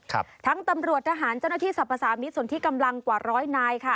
ทั้งตำรวจทหารเจ้าหน้าที่สรรพสามิตรส่วนที่กำลังกว่าร้อยนายค่ะ